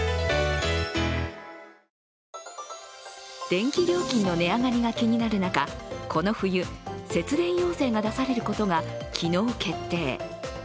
電気料金の値上がりが気になる中、この冬、節電要請が出されることが昨日、決定。